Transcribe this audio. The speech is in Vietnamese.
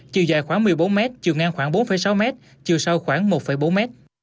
chiều dài khoảng một mươi bốn m chiều ngang khoảng bốn sáu m chiều sâu khoảng một bốn m